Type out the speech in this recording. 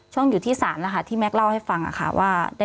ช่วงอยู่ที่ศาลที่แม็กซ์เล่าให้ฟังค่ะว่า